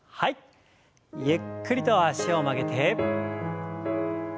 ゆっくりと脚を曲げて伸ばして。